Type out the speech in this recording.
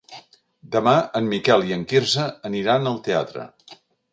Demà en Miquel i en Quirze aniran al teatre.